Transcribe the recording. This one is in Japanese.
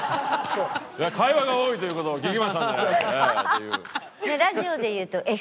「会話が多いという事を聞きましたんで！」という。